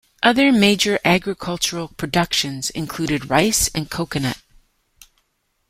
Other major agricultural productions included rice and coconut.